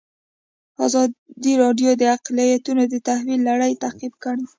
ازادي راډیو د اقلیتونه د تحول لړۍ تعقیب کړې.